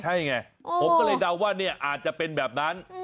ใช่ไงผมก็เลยเดาว่าเนี่ยอาจจะเป็นแบบนั้น